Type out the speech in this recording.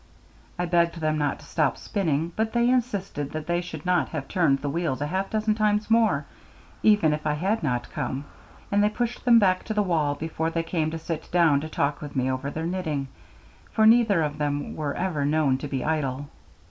I begged them not to stop spinning, but they insisted that they should not have turned the wheels a half dozen times more, even if I had not come, and they pushed them back to the wall before they came to sit down to talk with me over their knitting for neither of them were ever known to be idle.